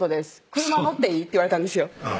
「車乗っていい？」って言われたんですよ